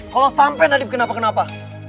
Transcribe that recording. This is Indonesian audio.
kalo sampe nadif kenapa kenapa